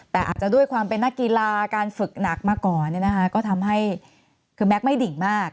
แต่อาจจะด้วยความเป็นนักกีฬาการฝึกหนักมาก่อนก็ทำให้คือแม็กซ์ไม่ดิ่งมาก